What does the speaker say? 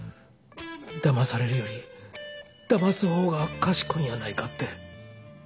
だまされるよりだます方がかしこいんやないかって。